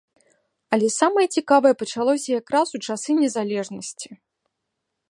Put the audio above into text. Але самае цікавае пачалося якраз у часы незалежнасці.